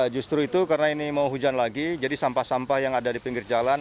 justru itu karena ini mau hujan lagi jadi sampah sampah yang ada di pinggir jalan